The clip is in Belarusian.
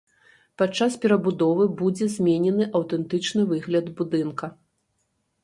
Падчас перабудовы будзе зменены аўтэнтычны выгляд будынка.